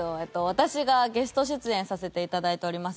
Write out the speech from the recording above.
私がゲスト出演させていただいております